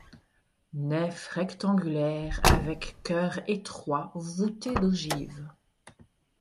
Nef rectangulaire avec chœur étroit voûté d'ogives.